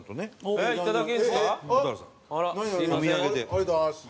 ありがとうございます。